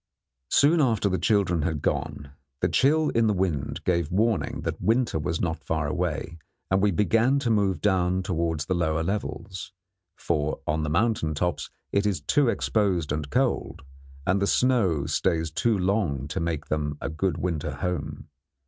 Soon after the children had gone, the chill in the wind gave warning that winter was not far away, and we began to move down towards the lower levels; for on the mountain tops it is too exposed and cold, and the snow stays too long to make them a good winter home.